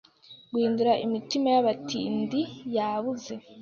Guhindura imitima yabatindi yabuze